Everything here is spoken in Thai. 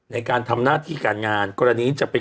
ในการทำหน้าที่การงานกรณีจะเป็น